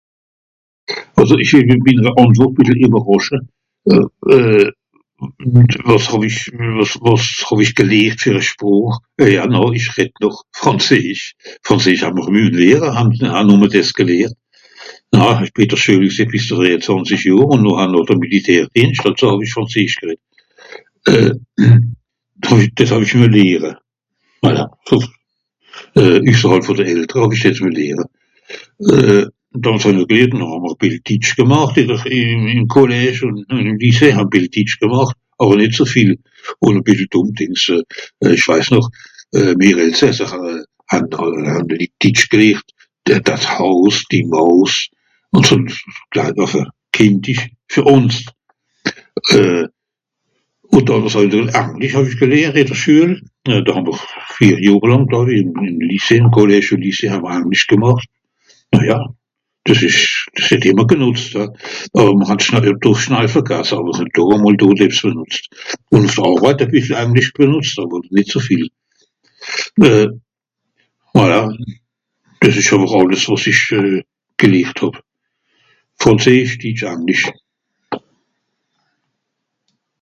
Àlso (...) e Àntwort (...) ìwerràsche. Euh... wàs hàw-ich... wàs... wàs hàw-ich gelehrt fer e Sproch ? Euh... ja no ìch redd noch frànzeesch. Frànzeesch hàà'mìr müen lehre hein, han nùmme dìs gelehrt. Ah, ìch bìn ìn de Schüel gsì bìs drèi ùn zwànzisch Johr ùn ha noch de Militaire Dienscht, àlso hàw-ich frànzeesch gereddt. Dìs hàw-ich ìmmer lehre. Üsserhàlb vùn de Eltre hàw-ich es müen lehre. (...) ditsch gemàcht ì dr... ìm Collège ùn ìm Lycée, hà'mr ditsch gemàcht. Àwer nìt ze viel. Ùn e bìssel dùmm Dìngs, euh... ìch weis noch. Euh... mìr Elsässer han d'Litt ditsch gelehrt, da Haus, die Maus. Ùn so... klei... enfin kìndisch, fer ùns. Euh... ùn dànn wàs hàw-i noh ? Anglisch hàw-ich gelehrt ìn dr Schüel. Do hà'mr vier Johr làng, glauw-i ìm Lycée, ìm Collège ùn Lycée hà'mr Anglisch gemàcht. Ja, dìs ìsch... dìs het ìmmer genùtzt àwer mìr hàn schnall, hà'mr schna... do schnall vergasse àwer do e mol do ebbs genùtzt. Ùn zer Àrweit e bìssel anglisch benùtzt àwer nìt ze viel. Euh... voilà, dìs ìsch àwer àlles wàs ìch gelehrt hàb. Frànzeesch ditsch ùn anglisch.